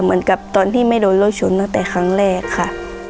เหมือนกับตอนที่ไม่โดนรถชนตั้งแต่ครั้งแรกค่ะ